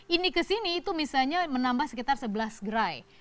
ini ke sini itu misalnya menambah sekitar sebelas gerai